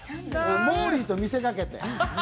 モーリーと見せ掛けて。